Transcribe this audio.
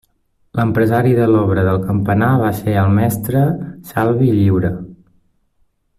L'empresari de l'obra del campanar va ser el mestre Salvi Lliura.